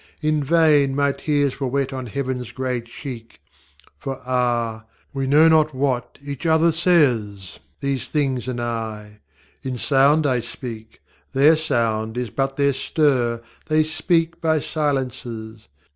In vain my tears were wet on HeavenŌĆÖs grey cheek. For ah! we know not what each other says, These things and I; in sound I speakŌĆö Their sound is but their stir, they speak by silences.